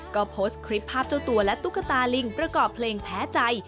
ก็โพสต์คลิปภาพเจ้าตัวและตุ๊กตาลิงประกอบเพลงแพ้ใจ